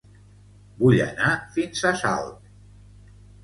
Vull anar fins a Salt.